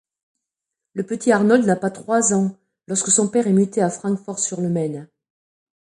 Le petit Arnold n'a pas trois ans lorsque son père est muté à Francfort-sur-le-Main.